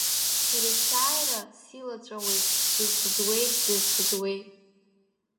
Сара есааира силаҵәауеит, дызгәӡуеит, дызгәӡуеит.